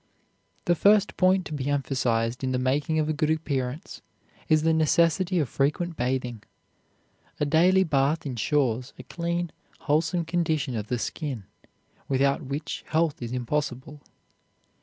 The first point to be emphasized in the making of a good appearance is the necessity of frequent bathing. A daily bath insures a clean, wholesome condition of the skin, without which health is impossible.